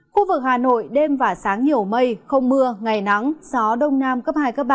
khu vực hà nội đêm và sáng nhiều mây không mưa ngày nắng gió đông nam cấp hai ba